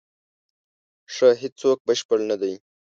ښه، هیڅوک بشپړ نه دی.